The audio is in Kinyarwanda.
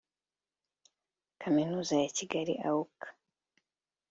Kaminuza ya Kigali (UoK)